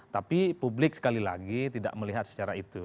tapi publik sekali lagi tidak melihat secara itu